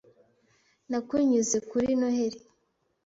Nakunyuze kuri Noheri